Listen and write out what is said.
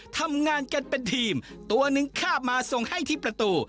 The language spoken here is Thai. ทำงานกันเป็นทีมตัวนึงข้าบมาส่งให้ที่ประตู